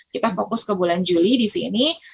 kita fokus ke bulan juli di sini